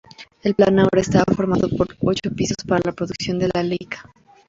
El plan ahora estaba formado por ocho pisos para la producción de la Leica.